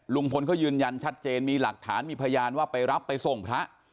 ลุงพลเขายืนยันชัดเจนมีหลักฐานมีพยานว่าไปรับไปส่งพระ